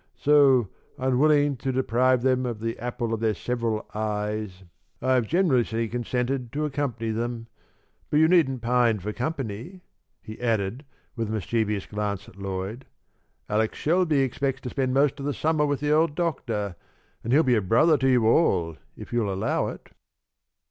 So, unwilling to deprive them of the apple of their several eyes, I have generously consented to accompany them. But you needn't pine for company," he added, with a mischievous glance at Lloyd. "Alex Shelby expects to spend most of the summer with the old doctor, and he'll be a brother to you all, if you'll allow it."